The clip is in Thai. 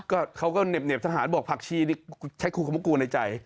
ก็เขาก็เหน็บทหารบอกผักชีนี่ใช้ครูคามกูลในใจ